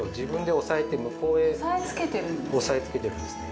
押さえつけてるんですね。